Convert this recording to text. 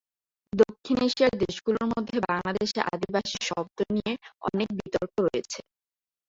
দক্ষিণ এশিয়ার দেশগুলোর মধ্যে বাংলাদেশে আদিবাসী শব্দ নিয়ে অনেক বিতর্ক রয়েছে।